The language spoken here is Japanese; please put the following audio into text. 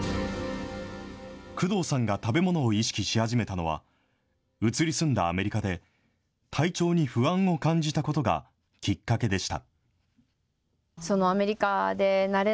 工藤さんが食べ物を意識し始めたのは、移り住んだアメリカで、体調に不安を感じたことがきっかけでした。